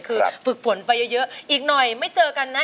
คือฝึกฝนไปเยอะอีกหน่อยไม่เจอกันนะ